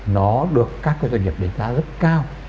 nó được các doanh nghiệp đánh giá rất cao